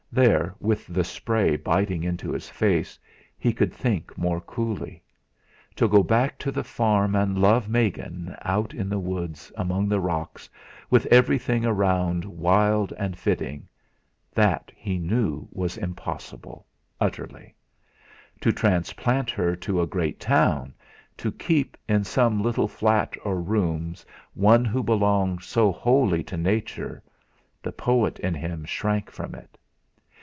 There, with the spray biting into his face, he could think more coolly. To go back to the farm and love Megan out in the woods, among the rocks, with everything around wild and fitting that, he knew, was impossible, utterly. To transplant her to a great town, to keep, in some little flat or rooms, one who belonged so wholly to Nature the poet in him shrank from it.